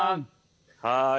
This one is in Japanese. はい。